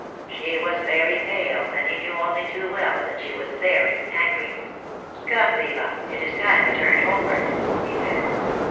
She was very pale, and he knew only too well that she was very angry. " Come, Viva, it is time we turned homeward," he said.